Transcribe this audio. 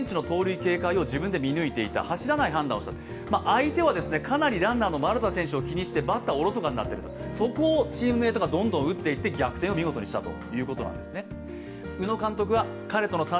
相手はかなりランナーの丸田選手を気にしてバッターがおろそかになっている、そこをチームメイトがどんどん打っていって、逆転をしていったと。